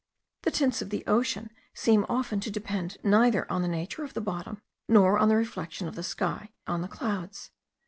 The tints of the ocean seem often to depend neither on the nature of the bottom, nor on the reflection of the sky on the clouds.